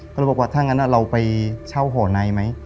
ก็เลยบอกว่าถ้างั้นเราไปเช่าห่อในไหม